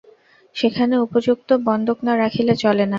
সেখানে উপযুক্ত বন্ধক না রাখিলে চলে না।